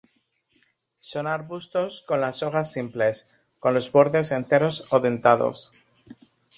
Son arbustos con las hojas simples, con los bordes enteros o dentados.